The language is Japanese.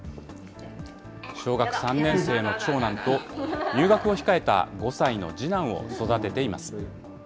小学３年生の長男と、入学を控えた５歳の次男を育てています。